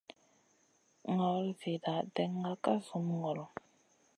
Nor zina ɗènŋa ka zumi ŋolo.